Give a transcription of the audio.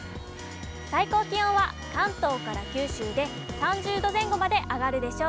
最高気温は関東から九州で３０度前後まで上がるでしょう。